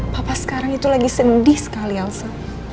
papa sekarang itu lagi sedih sekali alsa